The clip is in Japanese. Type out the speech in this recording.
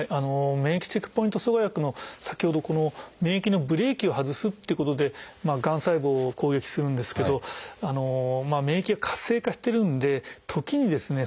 免疫チェックポイント阻害薬の先ほど免疫のブレーキを外すということでがん細胞を攻撃するんですけど免疫が活性化してるんで時にですね